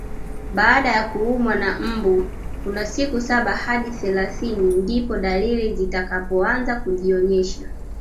Baada ya kuumwa na mbu kuna siku saba hadi thelathini ndipo dalili zitakapoanza kujionyesha